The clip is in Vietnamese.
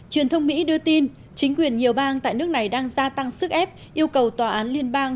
truyền thông mỹ đưa tin chính quyền nhiều bang tại nước này đang gia tăng sức ép yêu cầu tòa án liên bang